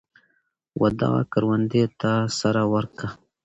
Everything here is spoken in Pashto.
ودغه کروندې ته سره ورکه.